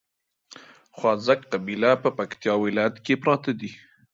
خواځک قبيله په پکتیا ولايت کې پراته دي